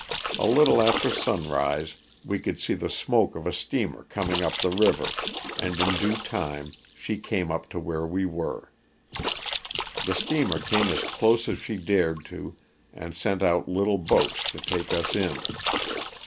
A little after sunrise we could see the smoke of a steamer coming up the river, and in due time she came up to where we were. The steamer came as close as she dared to and sent out little boats to take us in.